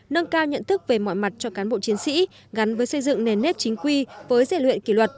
nâng cao nhận thức về mọi mặt cho cán bộ chiến sĩ gắn với xây dựng nền nếp chính quy với dạy luyện kỷ luật